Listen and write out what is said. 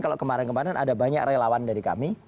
kalau kemarin kemarin ada banyak relawan dari kami